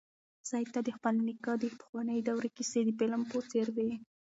سعید ته د خپل نیکه د پخوانۍ دورې کیسې د فلم په څېر وې.